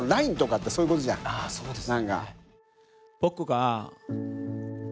そうですね。